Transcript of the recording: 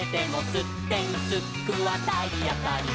「すってんすっくはたいあたり」